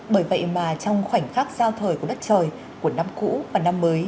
bởi vậy mà trong khoảnh khắc giao thời của đất trời của năm cũ và năm mới